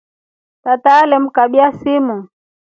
Tata alemkabya simu.